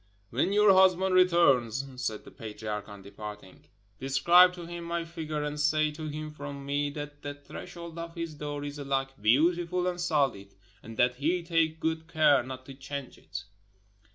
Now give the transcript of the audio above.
"When your husband returns," said the patriarch on departing, "describe to him my figure and say to him from me that the threshold of his door is alike beautiful and solid, and that he take good care not to change it."